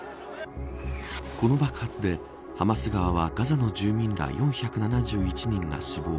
この爆発でハマス側はガザの住民ら４７１人が死亡。